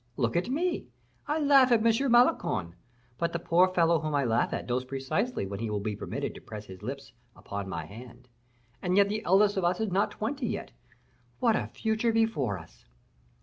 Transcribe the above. Look at me; I laugh at M. Malicorne, but the poor fellow whom I laugh at knows precisely when he will be permitted to press his lips upon my hand. And yet the eldest of us is not twenty yet. What a future before us!"